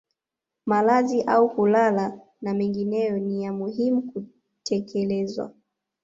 Malazi au kulala na mengineyo ni ya muhimu kutekelezwa